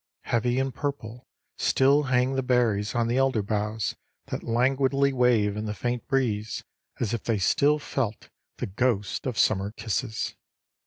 Heavy and purple still hang the berries on the elder boughs that languidly wave in the faint breeze as if they still felt the ghosts of summer kisses.